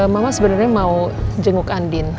mama sebenarnya mau jenguk andin